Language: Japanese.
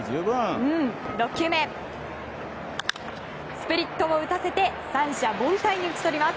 スプリットを打たせて三者凡退に打ち取ります。